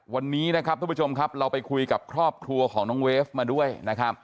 วันนี้นะครับทุกผู้ชมครับเราไปคุยกับครอบครัวของน้องเวฟมาด้วยนะครับ